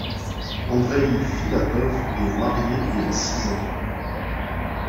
Andreï Filatov est marié et a six enfants.